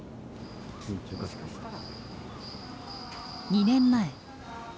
２年前。